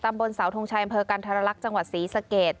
บนเสาทงชัยอำเภอกันธรรลักษณ์จังหวัดศรีสะเกด